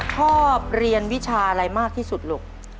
ชอบเรียนวิชาอะไรมากที่สุดลูก